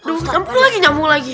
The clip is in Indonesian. udah nyamuk lagi nyamuk lagi